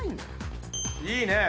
いいね！